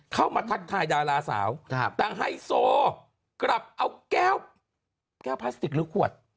เข้ามาทัดถ่ายดาราสาวต่างไฮโซกลับเอาแก้วแก้วพลาสติกหรือขวด